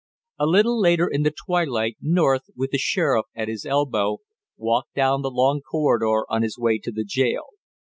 A little later in the twilight North, with the sheriff at his elbow, walked down the long corridor on his way to the jail.